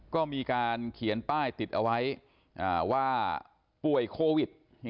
ก็มีการเขียนป้ายติดอาไว้